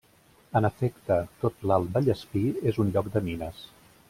En efecte, tot l'Alt Vallespir és un lloc de mines.